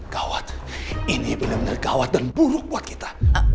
gawat ini bener bener gawat dan buruk buat kita